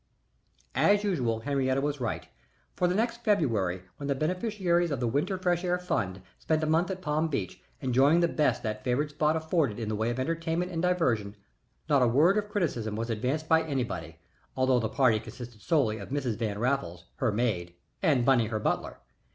And, as usual, Henriette was right, for the next February when the beneficiaries of the Winter Fresh Air Fund spent a month at Palm Beach, enjoying the best that favored spot afforded in the way of entertainment and diversion, not a word of criticism was advanced by anybody, although the party consisted solely of Mrs. Van Raffles, her maid, and Bunny, her butler.